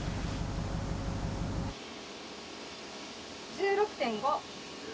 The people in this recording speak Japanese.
１６．５。